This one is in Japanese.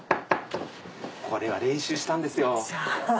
これは練習したんですよ。